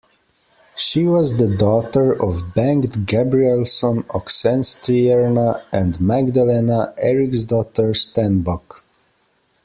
She was the daughter of Bengt Gabrielsson Oxenstierna and Magdalena Eriksdotter Stenbock.